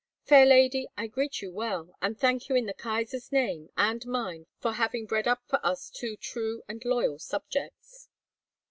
Fair lady, I greet you well, and thank you in the Kaisar's name and mine for having bred up for us two true and loyal subjects."